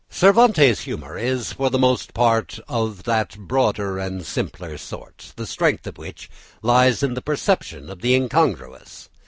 Cervantes' humour is for the most part of that broader and simpler sort, the strength of which lies in the perception of the incongruous.